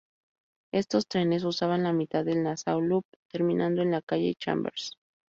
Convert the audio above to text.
Estos trenes usaban la mitad del Nassau Loop, terminando en la Calle Chambers.